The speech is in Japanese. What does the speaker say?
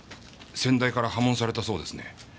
先代から破門されたそうですね。